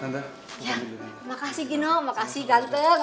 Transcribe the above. ya terima kasih gino terima kasih ganteng